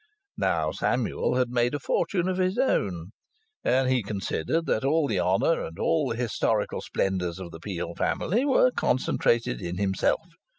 Now Samuel had made a fortune of his own, and he considered that all the honour and all the historical splendours of the Peel family were concentrated in himself.